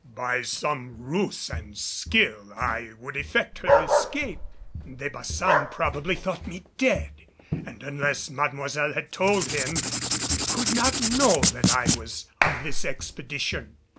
By some ruse and skill I would effect her escape. De Baçan probably thought me dead; and unless Mademoiselle had told him, could not know that I was of this expedition.